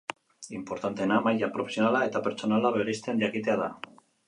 Inportanteena maila profesionala eta pertsonala bereizten jakitea da.